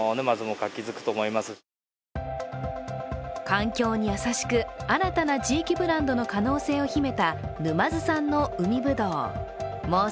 環境に優しく、新たな地域ブランドの可能性を秘めた沼津産の海ぶどう。